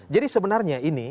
jadi sebenarnya ini